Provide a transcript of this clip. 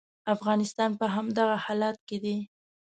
افغانستان په همدغه حالت کې دی.